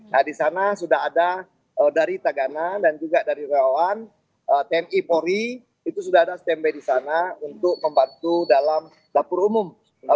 nah disana sudah ada dari tagana dan juga dari rewan tni pori itu sudah ada stempeh disana untuk membantu dalam dapur umum